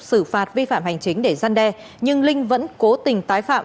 xử phạt vi phạm hành chính để gian đe nhưng linh vẫn cố tình tái phạm